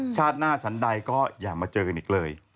ชาติหน้าฉันใดก็อย่ามาเจอกันอีกเลย